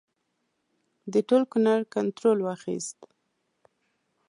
د ټول کنړ کنټرول واخیست.